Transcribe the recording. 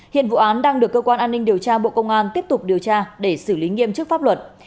hiện vụ án đang được cơ quan an ninh điều tra bộ công an tiếp tục điều tra để xử lý nghiêm chức pháp luật